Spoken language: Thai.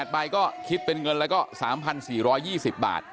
๘ใบก็คิดเป็นเงินแล้วก็๓๔๒๐บาท